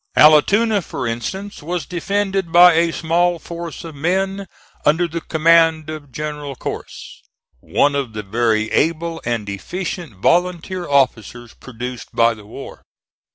Allatoona, for instance, was defended by a small force of men under the command of General Corse, one of the very able and efficient volunteer officers produced by the war.